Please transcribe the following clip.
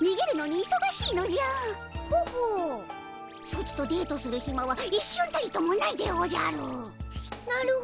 ソチとデートするひまは一瞬たりともないでおじゃる。